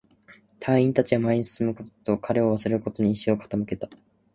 隊員達は前に進むことと、彼を忘れることに意志を傾けた